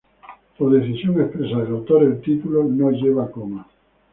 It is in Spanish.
Por decisión expresa del autor, el título no lleva coma.